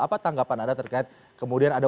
apa tanggapan anda terkait kemudian ada